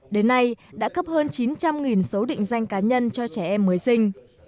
đến nay đã cấp hơn chín trăm linh số định danh cá nhân cho trẻ em mới sinh